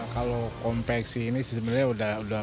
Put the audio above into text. kalau konveksi ini sebenarnya sudah mudah